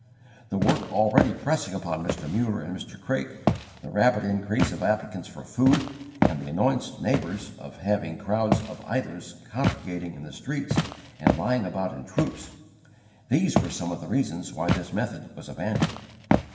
The work already pressing upon Mr. Muller and Mr. Craik, the rapid increase of applicants for food, and the annoyance to neighbours of having crowds of idlers congregating in the streets and lying about in troops these were some of the reasons why this method was abandoned.